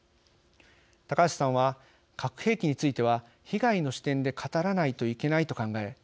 高橋さんは核兵器については被害の視点で語らないといけないと考え